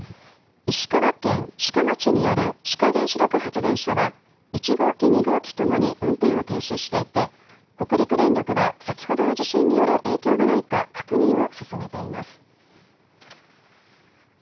石川県志賀町にある志賀原子力発電所は１号機、２号機ともに運転を停止していて北陸電力は先ほどの地震による影響がないか確認を進めています。